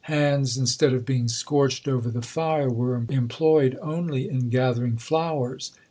Hands, instead of being scorched over the fire, were employed only in gathering flowers.